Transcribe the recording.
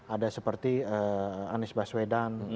ada seperti anies baswedan